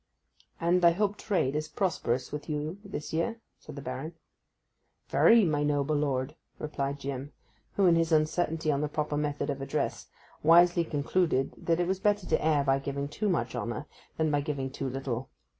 'And I hope trade is prosperous with you this year,' said the Baron. 'Very, my noble lord,' replied Jim, who, in his uncertainty on the proper method of address, wisely concluded that it was better to err by giving too much honour than by giving too little.